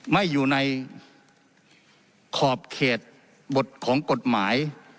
ไม่อยู่ในขอบเขตบทของกฎหมาย